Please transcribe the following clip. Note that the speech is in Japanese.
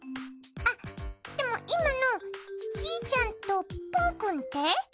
あっでも今のじーちゃんとぷんくんって？